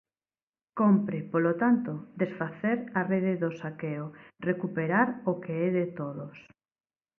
Cómpre, polo tanto, desfacer a rede do saqueo, recuperar o que é de todos.